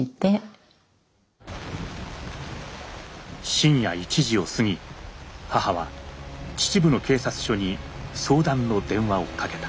深夜１時をすぎ母は秩父の警察署に相談の電話をかけた。